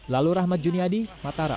lalu rahmat juniadi mataram